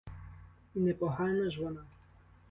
І непогана ж вона.